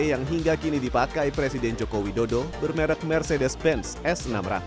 yang hingga kini dipakai presiden joko widodo bermerek mercedes benz s enam ratus